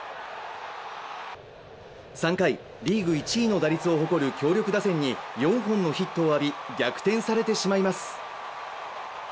３回、リーグ１位の打率を誇る強力打線に４本のヒットを浴び、逆転されてしまいます。